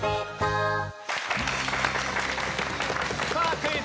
「クイズ！